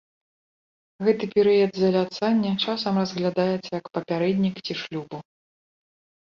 Гэты перыяд заляцання часам разглядаецца як папярэднік ці шлюбу.